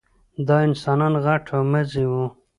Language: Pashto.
دا انسانان غټ او مزي وو.